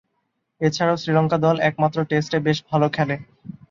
এছাড়াও শ্রীলঙ্কা দল একমাত্র টেস্টে বেশ ভালো খেলে।